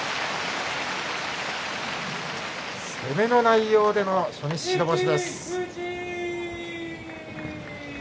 攻めの内容での初日白星。